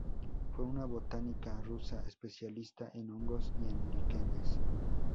Fue una botánica rusa especialista en hongos y en líquenes.